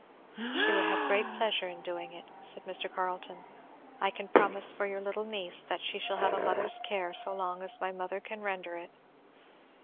"She would have great pleasure in doing it," said Mr. Carleton. "I can promise for your little niece that she shall have a mother's care so long as my mother can render it."